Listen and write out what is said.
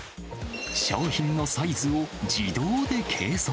商品のサイズを自動で計測。